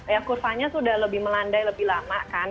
ya kurvanya sudah lebih melandai lebih lama kan